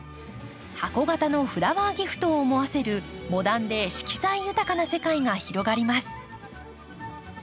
箱形のフラワーギフトを思わせるモダンで色彩豊かな世界が広がります。